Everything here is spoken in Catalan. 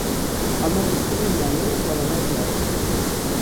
El nou d'octubre na Neus vol anar al teatre.